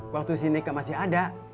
waktu si neka masih ada